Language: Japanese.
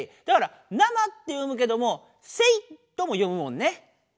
だから生って読むけども生とも読むもんね。